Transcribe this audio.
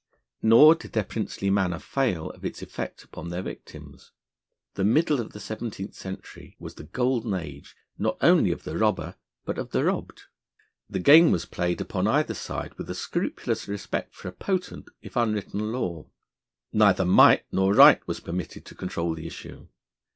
Nor did their princely manner fail of its effect upon their victims. The middle of the seventeenth century was the golden age, not only of the robber, but of the robbed. The game was played upon either side with a scrupulous respect for a potent, if unwritten, law. Neither might nor right was permitted to control the issue.